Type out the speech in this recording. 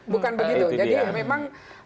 bukan begitu jadi memang